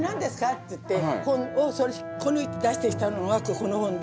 っつって本を引っこ抜いて出してきたのがこの本で。